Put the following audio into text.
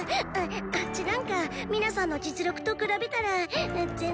あッチなんか皆さんの実力と比べたら全然。